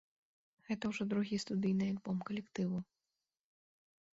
Гэта ўжо другі студыйны альбом калектыву.